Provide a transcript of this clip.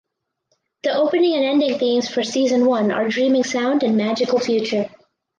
The opening and ending themes for season one are "Dreaming Sound" and "Magical Future".